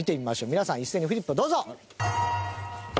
皆さん、一斉にフリップをどうぞ！